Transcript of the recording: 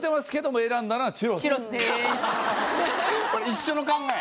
一緒の考え。